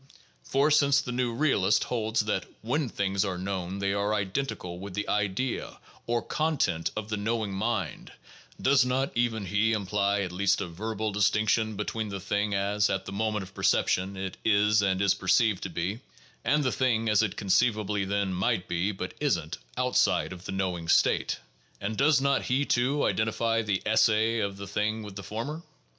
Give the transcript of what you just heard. For, since the new realist holds that "when things are known they are identical with the idea, or content of the knowing mind, '' does not even he imply at least a verbal distinction between the thing as (at the moment of perception) it is and is perceived to be, and the thing as it conceiv ably then might be (but isn't) outside of the "knowing state"? And does not he too identify the esse of the thing with the former?